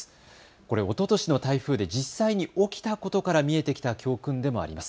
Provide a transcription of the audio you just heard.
これ、おととしの台風で実際に起きたことから見えてきた教訓でもあります。